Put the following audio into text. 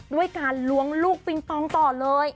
ด้วยการล้วงลูกปิงปองต่อเลย